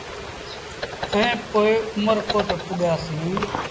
ائيٚݩ پو اُمر ڪوٽ پڳآسيٚݩ۔